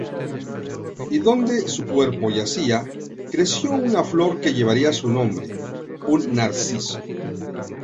Y donde su cuerpo yacía, creció una flor que llevaría su nombre: un narciso.